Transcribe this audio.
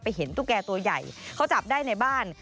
เห็นตุ๊กแก่ตัวใหญ่เขาจับได้ในบ้าน